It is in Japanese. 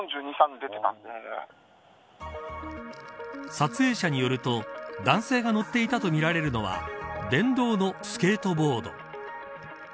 撮影者によると男性が乗っていたとみられるのは電動のスケートボード。